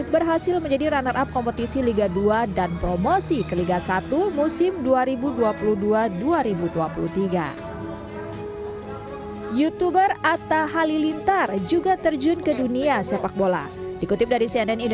berhasil menjadi runner up kompetisi liga dua dan promosi ke liga satu dan kemudian berganti nama menjadi rans cilegon fc tersebut